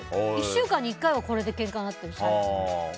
１週間に１回はこれでけんかになってる。